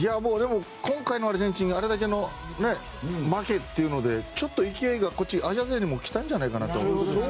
今回のアルゼンチンがあれだけの負けというのでちょっと勢いがアジア勢にも来たんじゃないかと。